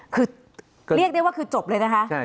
คือเรียกได้ว่าคือจบเลยนะคะ